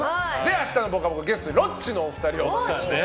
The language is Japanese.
明日の「ぽかぽか」はゲストにロッチのお二人をお迎えして。